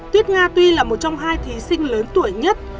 tuyết nga tuy là một trong hai thí sinh lớn tuổi nhất